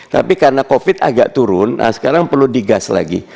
tapi karena covid agak turun nah sekarang perlu digas lagi